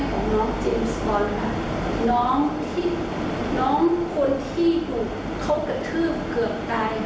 พ่อเป็นเวียนอาจารย์หรือว่าเวียนเป็นคน